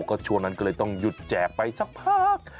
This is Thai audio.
ก็ช่วงนั้นก็เลยต้องหยุดแจกไปสักพัก